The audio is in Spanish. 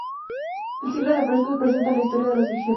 El ciclo de frescos representa la "Historia de las Vírgenes".